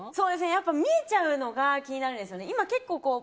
やっぱ見えちゃうのが気になるんですよね。